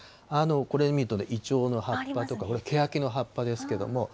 これ見ると、イチョウの葉っぱとか、これ、けやきの葉っぱですけれども。